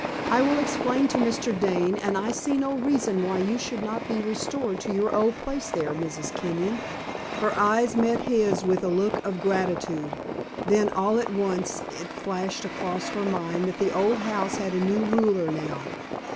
"I will explain to Mr. Dane, and I see no reason why you should not be restored to your old place there, Mrs. Kenyon." Her eyes met his with a look of gratitude. Then all at once it flashed across her mind that the old house had a new ruler now.